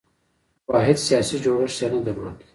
واحد سیاسي جوړښت یې نه درلود.